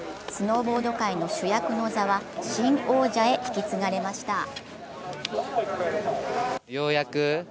スノーボード界の主役の座は新王者へ引き継がれました。